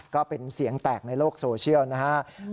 ก็เป็นเสียงแตกในโลกโซเชียลนะครับ